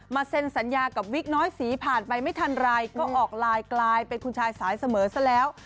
เซ็นสัญญากับวิกน้อยสีผ่านไปไม่ทันไรก็ออกไลน์กลายเป็นคุณชายสายเสมอซะแล้ว